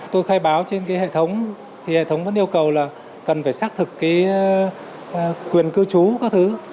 tôi khai báo trên hệ thống thì hệ thống vẫn yêu cầu là cần phải xác thực quyền cư trú các thứ